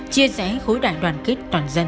chia rẽ khối đại đoàn kết toàn dân